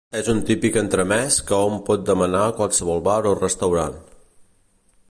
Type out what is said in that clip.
És un típic entremès que hom pot demanar a qualsevol bar o restaurant.